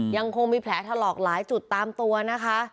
ยังคงมีแผลถลอกหลายจุดตามตัวนะคะ